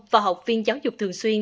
và học viên giáo dục thường xuyên